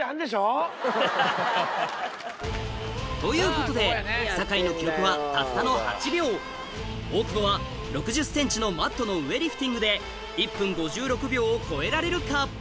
ということで酒井の記録はたったの８秒大久保は６０ｃｍのマットの上リフティングで１分５６秒を超えられるか？